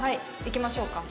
行きましょうか。